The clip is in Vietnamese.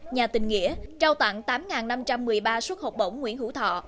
nhà tình nghĩa trao tặng tám năm trăm một mươi ba suất học bổng nguyễn hữu thọ